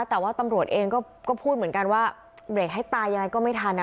แต่ว่าตำรวจเองก็พูดเหมือนกันว่าเบรกให้ตายยังไงก็ไม่ทัน